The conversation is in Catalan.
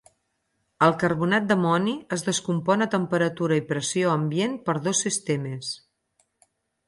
El carbonat d'amoni es descompon a temperatura i pressió ambient per dos sistemes.